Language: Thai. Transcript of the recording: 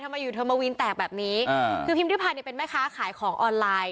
มาอยู่เธอมาวินแตกแบบนี้คือพิมพิพันธ์เนี่ยเป็นแม่ค้าขายของออนไลน์